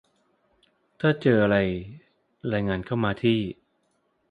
ถ้าเจออะไรรายงานเข้ามาที่